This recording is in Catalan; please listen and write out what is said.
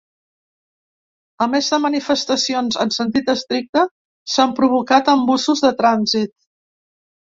A més de manifestacions en sentit estricte, s’han provocat embussos de trànsit.